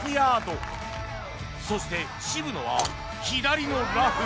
そして渋野は左のラフ